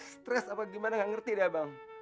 stres apa gimana gak ngerti deh abang